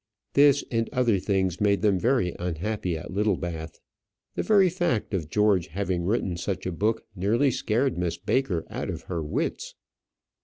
This and other things made them very unhappy at Littlebath. The very fact of George having written such a book nearly scared Miss Baker out of her wits.